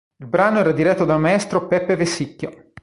Il brano era diretto dal maestro Peppe Vessicchio.